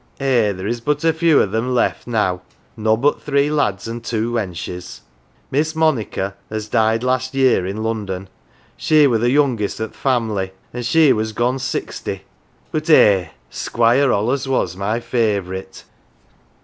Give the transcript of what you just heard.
Eh, there is but a few o' them left now nobbut three lads an' two wenches. Miss Monica, as died last year in London, she were the youngest o" th' fam'ly, an' she was gone sixty. But eh ! Squire allus was my favourite.